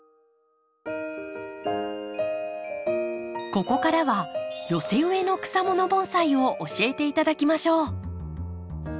ここからは寄せ植えの草もの盆栽を教えて頂きましょう。